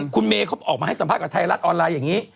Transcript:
คุณเมย์เขาออกมาให้สัมภาษณ์กับไทยรัฐออนไลน์อย่างนี้